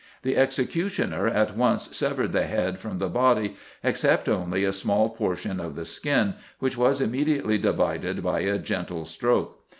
The executioner at once severed the head from the body, except only a small portion of the skin which was immediately divided by a gentle stroke.